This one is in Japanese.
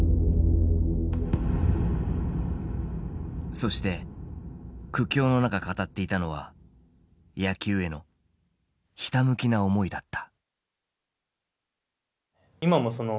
そして苦境の中語っていたのは野球へのひたむきな思いだった。